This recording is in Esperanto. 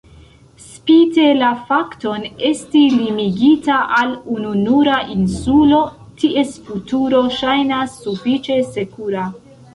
Spite la fakton esti limigita al ununura insulo, ties futuro ŝajnas sufiĉe sekura.